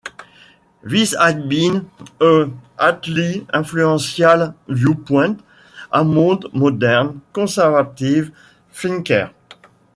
This has been a highly influential viewpoint among modern conservative thinkers.